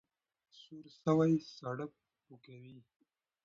ـ په سور سوى، ساړه پو کوي.